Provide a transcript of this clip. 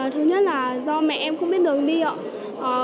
thứ nhất là do mẹ em không biết đường đi ạ